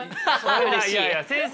いやいや先生